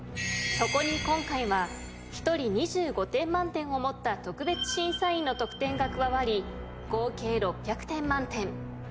そこに今回は１人２５点満点を持った特別審査員の得点が加わり合計６００点満点。